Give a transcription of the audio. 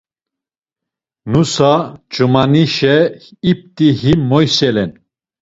Nusa, ç̌umanişe ip̌t̆i him moyselen.